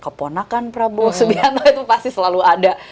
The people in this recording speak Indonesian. kepona kan prabowo subianto itu pasti selalu ada